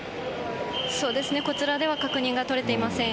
そうですね、こちらでは確認が取れていません。